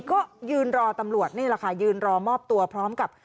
ก็ยืนรอตำรวจนี่แหละค่ะยืนรอมอบตัวพร้อมกับ